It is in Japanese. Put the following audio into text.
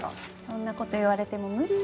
そんな事言われても無理。